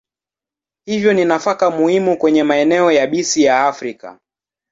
Hivyo ni nafaka muhimu kwenye maeneo yabisi ya Afrika.